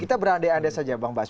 kita berada di anda saja bang bas